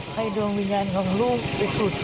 ให้ดวงวิญญาณของลูกไปถูกประตู